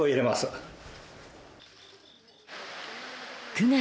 ９月。